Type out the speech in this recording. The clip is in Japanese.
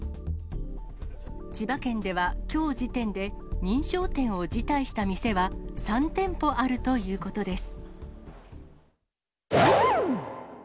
千葉県では、きょう時点で認証店を辞退した店は３店舗あるということです。